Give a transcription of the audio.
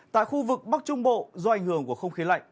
tại khu vực bắc trung bộ do ảnh hưởng của không khí lạnh